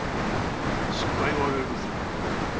祝杯を上げるとするか。